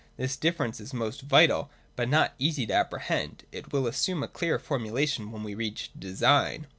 This difference is most vital, but not easy to apprehend : it will assume a clearer formulation when we reach Design.